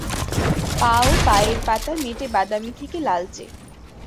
পা ও পায়ের পাতা মেটে বাদামি থেকে লালচে।